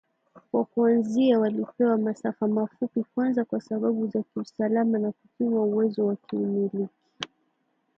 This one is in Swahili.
Kwa kuanzia walipewa masafa mafupi kwanza kwa sababu za kiusalama na kupima uwezo wakiumiliki